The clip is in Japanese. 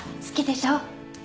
好きでしょ？